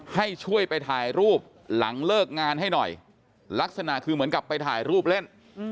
ให้ช่วยไปถ่ายรูปหลังเลิกงานให้หน่อยลักษณะคือเหมือนกับไปถ่ายรูปเล่น